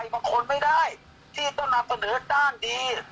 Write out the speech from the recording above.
แม่ยังคงมั่นใจและก็มีความหวังในการทำงานของเจ้าหน้าที่ตำรวจค่ะ